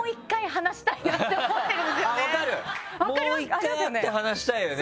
もう１回会って話したいよね。